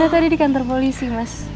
saya tadi di kantor polisi mas